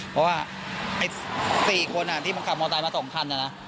เพราะว่าไอ้๔คนอ่ะที่มันขับมอเตยมา๒คันอ่ะนะ